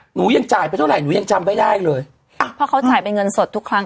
หนูยังจ่ายไปเท่าไหร่หนูยังจำไม่ได้เลยอ่ะเพราะเขาจ่ายเป็นเงินสดทุกครั้ง